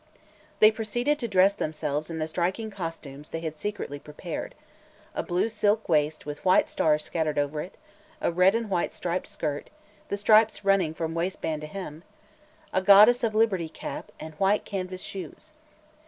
They proceeded to dress themselves in the striking costumes they had secretly prepared; a blue silk waist with white stars scattered over it, a red and white striped skirt, the stripes running from waistband to hem, a "Godess of Liberty" cap and white canvas shoes.